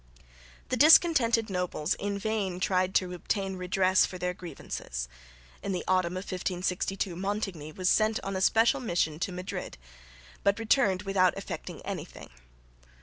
The discontented nobles in vain tried to obtain redress for their grievances. In the autumn of 1562 Montigny was sent on a special mission to Madrid, but returned without effecting anything.